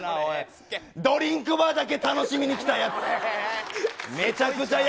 ドリンクバーだけ楽しみに来たやつ。